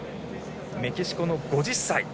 メキシコの５０歳。